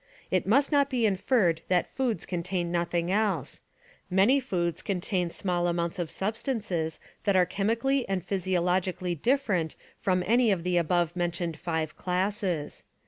It must not be inferred that foods contain nothing else. Many foods con tain small amounts of substances that are chemically and physiologically 10 different from any of the above mentioned five classes.